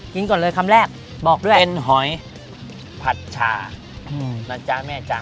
กินก่อนเลยคำแรกบอกด้วยเป็นหอยผัดชานะจ๊ะแม่จ๊ะ